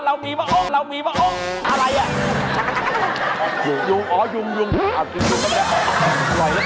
ร้านเรามีมาโอ๊ยซื้อจันทร์อะไร